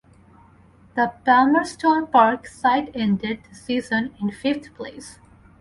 The Palmerston Park side ended the season in fifth place.